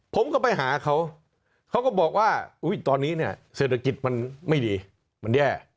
ผมก็ไปหาเขาเขาก็บอกว่าตอนนี้เนี่ยเศรษฐกิจมันไม่ดีมันแย่